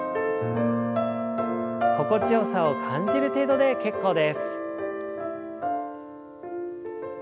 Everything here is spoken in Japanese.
心地よさを感じる程度で結構です。